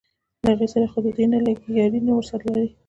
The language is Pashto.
له هغې سره خو دده نه لګي یاري نه ورسره لري.